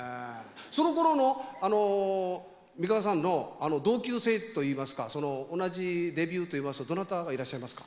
そのころのあの美川さんの同級生といいますか同じデビューといいますとどなたがいらっしゃいますか？